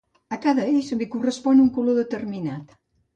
A cada eix li correspon un color determinat.